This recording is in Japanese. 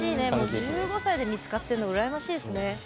１５歳で見つかっているの羨ましいですね。